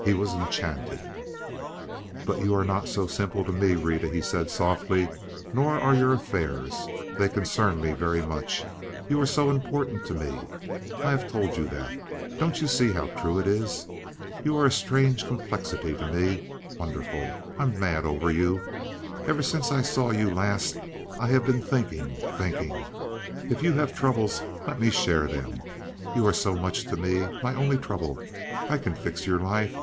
He was enchanted. "But you are not simple to me, Rita," he said, softly, "nor are your affairs. They concern me very much. You are so important to me. I have told you that. Don't you see how true it is? You are a strange complexity to me—wonderful. I'm mad over you. Ever since I saw you last I have been thinking, thinking. If you have troubles let me share them. You are so much to me—my only trouble. I can fix your life.